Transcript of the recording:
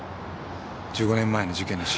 １５年前の事件の真犯人。